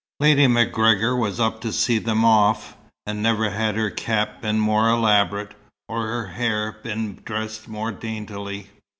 Lady MacGregor was up to see them off, and never had her cap been more elaborate, or her hair been dressed more daintily.